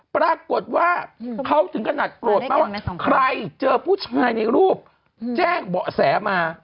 ปรากฏว่าเขาถึงขนาดโกรธมากว่าใครเจอผู้ชายในรูปแจ้งเบาะแสมา